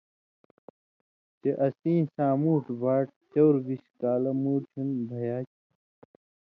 چے اسیں سامُوٹھ باٹ چؤر بِش کالہ مُوٹھیُوں بھیا چھی۔